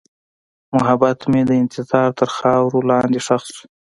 محبت مې د انتظار تر خاورې لاندې ښخ شو.